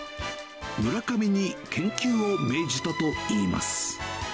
村上に研究を命じたといいます。